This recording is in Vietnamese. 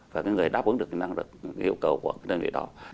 và cái người đáp ứng được cái năng lực cái yêu cầu của cái đơn vị đó